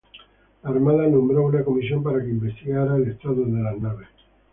La Armada nombró una comisión para que investigara el estado de las naves.